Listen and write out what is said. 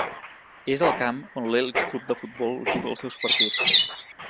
És el camp on l'Elx Club de Futbol juga els seus partits.